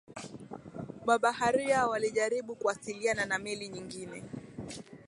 mabaharia walijaribu kuwasiliana na meli nyingine